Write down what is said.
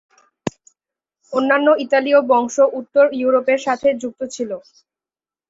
অন্যান্য ইতালীয় বংশ উত্তর ইউরোপের সাথে যুক্ত ছিল।